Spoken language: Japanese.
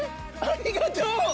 ありがとう！